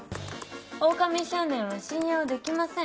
おおかみ少年は信用できません。